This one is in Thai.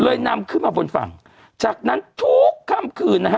นำขึ้นมาบนฝั่งจากนั้นทุกค่ำคืนนะฮะ